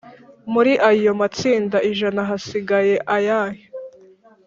muri ayo ‘matsinda ijana’ hasigaye ayahe?